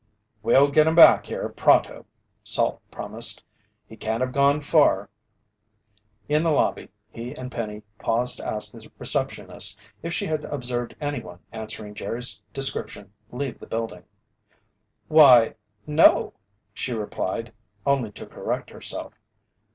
"We'll get him back here pronto!" Salt promised. "He can't have gone far." In the lobby he and Penny paused to ask the receptionist if she had observed anyone answering Jerry's description leave the building. "Why, no," she replied, only to correct herself.